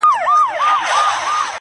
چي اوبه تر ورخ اوښتي نه ستنېږي؛